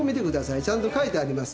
ちゃんと書いてあります。